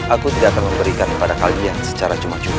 aku tidak akan memberikan kepada kalian secara cuma cuma